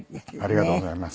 ありがとうございます。